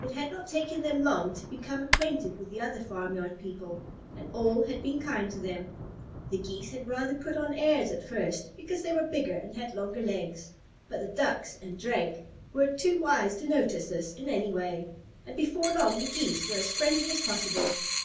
It had not taken them long to become acquainted with the other farmyard people, and all had been kind to them. The Geese had rather put on airs, at first, because they were bigger and had longer legs, but the Ducks and Drake were too wise to notice this in any way, and before long the Geese were as friendly as possible.